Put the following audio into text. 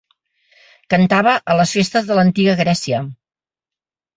Cantava a les festes de l'antiga Grècia.